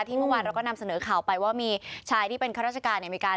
เมื่อวานเราก็นำเสนอข่าวไปว่ามีชายที่เป็นข้าราชการเนี่ยมีการ